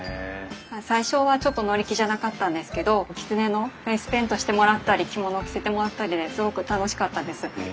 最初はちょっと乗り気じゃなかったんですけどきつねのフェイスペイントしてもらったり着物を着せてもらったりですごく楽しかったです。